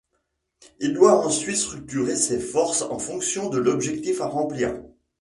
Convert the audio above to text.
Il doit ensuite structurer ses forces en fonction de l’objectif à remplir.